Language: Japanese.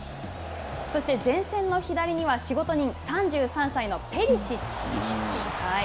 そして前線の左には、仕事人、３３歳のペリシッチ。